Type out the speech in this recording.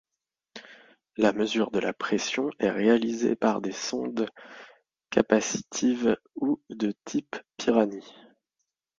La mesure de pression est réalisée par des sondes capacitives ou de type Pirani.